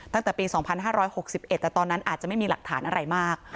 ตั้งแต่ปี๒๕๖๑แต่ตอนนั้นอาจจะไม่มีหลักฐานอะไรมาก